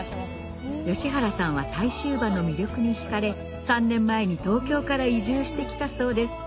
吉原さんは対州馬の魅力に引かれ３年前に東京から移住してきたそうです